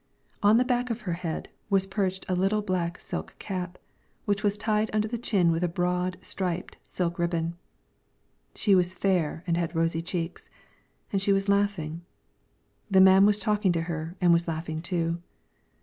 On the back of her head was perched a little black silk cap, which was tied under the chin with a broad, striped silk ribbon. She was fair and had rosy cheeks, and she was laughing; the man was talking to her and was laughing too.